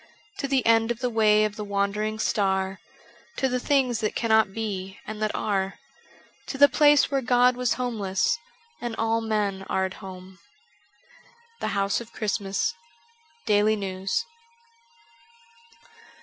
To the end of the way of the wandering star, To the things that cannot be and that are, To the place where God was homeless And all men are at home. The House of Christmas :' Daily News.''